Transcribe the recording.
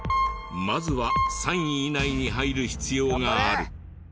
まずは３位以内に入る必要がある。